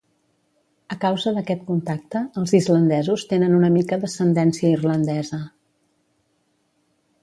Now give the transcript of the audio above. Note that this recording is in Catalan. A causa d'aquest contacte els islandesos tenen una mica d'ascendència irlandesa.